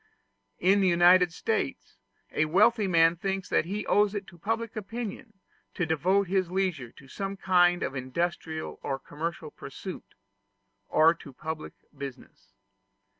In the United States a wealthy man thinks that he owes it to public opinion to devote his leisure to some kind of industrial or commercial pursuit, or to public business.